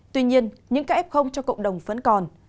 tuy nhiên những cái ép không cho cộng đồng vẫn còn